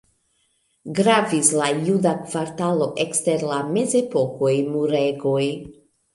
Gravis la juda kvartalo ekster la mezepokaj muregoj.